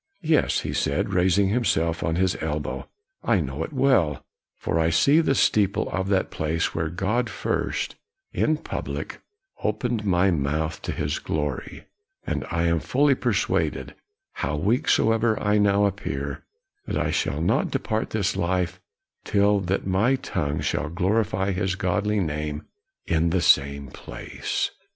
" Yes," he said, raising himself on his elbow, " I know it well ; for I see the KNOX 129 steeple of that place where God first, in public, opened my mouth to His glory; and I am fully persuaded, how weak so ever I now appear, that I shall not depart this life till that my tongue shall glorify His godly name in the same place.